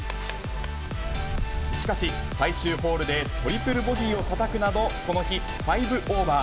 しかし、最終ホールでトリプルボギーをたたくなど、この日、５オーバー。